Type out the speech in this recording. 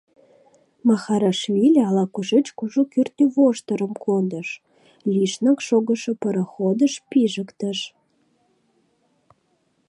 Махарашвили ала-кушеч кужу кӱртньывоштырым кондыш, лишнак шогышо пароходыш пижыктыш.